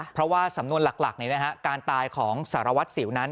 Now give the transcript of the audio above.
เพราะว่าสำนวนหลักการตายของสารวัตรสิวนั้น